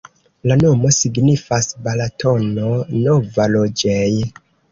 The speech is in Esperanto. La nomo signifas: Balatono-nova-loĝej'.